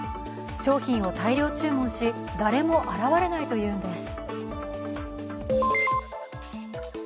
商品を大量注文し、誰も現れないというんです。